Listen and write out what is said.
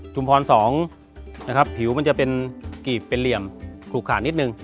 พร๒นะครับผิวมันจะเป็นกีบเป็นเหลี่ยมผูกขาดนิดนึง